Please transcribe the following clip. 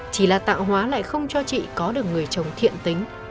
chỉ là tạo hóa lại không cho chị có được người chồng thiện tính